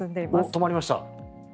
止まりました。